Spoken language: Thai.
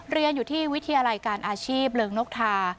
เรียนอยู่ที่วิทยาลัยการอาชีพเริงนกทา